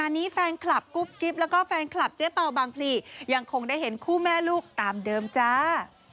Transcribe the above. นี้แฟนคลับกุ๊บกิ๊บแล้วก็แฟนคลับเจ๊เป่าบางพลียังคงได้เห็นคู่แม่ลูกตามเดิมจ้า